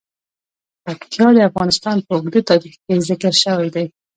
پکتیا د افغانستان په اوږده تاریخ کې ذکر شوی دی.